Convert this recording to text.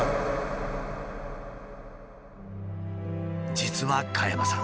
実は加山さん